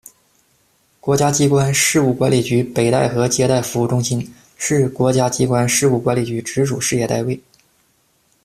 国家机关事务管理局北戴河接待服务中心，是国家机关事务管理局直属事业单位。